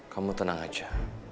kamu tenang aja